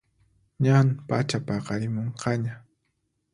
Ñan pachapaqarimunqaña